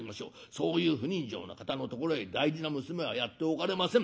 そういう不人情な方のところへ大事な娘はやっておかれません。